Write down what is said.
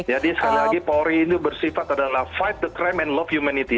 jadi sekali lagi powering itu bersifat adalah fight the crime and love humanity